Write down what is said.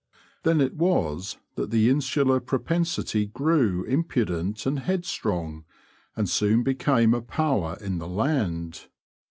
Then it was that the insular propensity grew impudent and headstrong, and soon became a power in the land.